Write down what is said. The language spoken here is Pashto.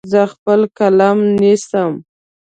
زه خپل قلم نیسم.